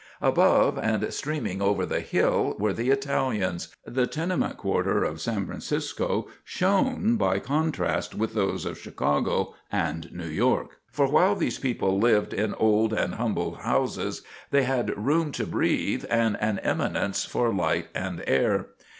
Above, and streaming over the hill, were the Italians. The tenement quarter of San Francisco shone by contrast with those of Chicago and New York, for while these people lived in old and humble houses they had room to breathe and an eminence for light and air.